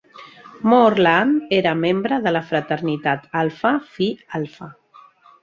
Moorland era membre de la fraternitat Alpha Phi Alpha.